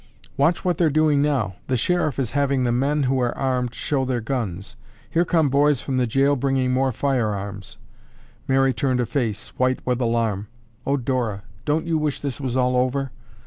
"Watch what they're doing now. The sheriff is having the men who are armed show their guns. Here come boys from the jail bringing more firearms." Mary turned a face, white with alarm. "Oh, Dora, don't you wish this was all over?